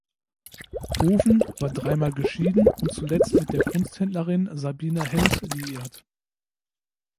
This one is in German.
Hoven war dreimal geschieden und zuletzt mit der Kunsthändlerin Sabine Helms liiert.